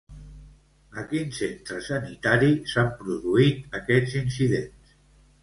A quin centre sanitari s'han produït aquests incidents?